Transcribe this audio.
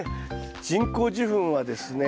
人工授粉はですね